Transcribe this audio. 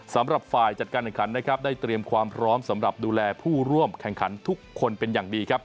สำหรับฝ่ายจัดการแข่งขันนะครับได้เตรียมความพร้อมสำหรับดูแลผู้ร่วมแข่งขันทุกคนเป็นอย่างดีครับ